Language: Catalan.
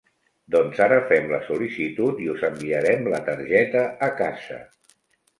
Doncs ara fem la sol·licitud i us enviarem la targeta a casa.